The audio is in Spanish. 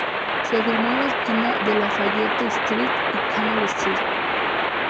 Se filmó en la esquina de Lafayette Street y Canal Street.